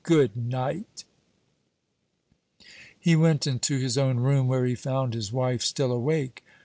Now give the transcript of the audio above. Goodnight." He went into his own room, where he found his wife still awake.